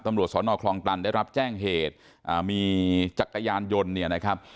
ตำรวจสอนอคลองตันได้รับแจ้งเหตุอ่ามีจักรยานยนต์เนี่ยนะครับ